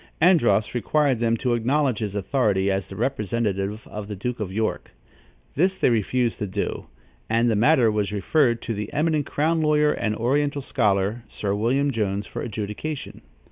Andros required them to acknowledge his authority as the representative of the Duke of York. This they refused to do, and the matter was referred to the eminent crown lawyer and oriental scholar, Sir William Jones, for adjudication.